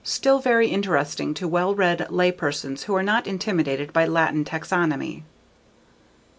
Still, very interesting to well read lay persons who are not intimidated by Latin taxonomy.